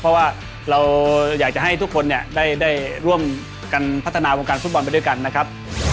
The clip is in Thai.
เพราะว่าเราอยากจะให้ทุกคนเนี่ยได้ร่วมกันพัฒนาวงการฟุตบอลไปด้วยกันนะครับ